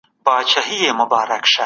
هغه د پاچا له وېرې تښتېده.